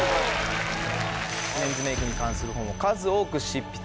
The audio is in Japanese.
メンズメイクに関する本を数多く執筆。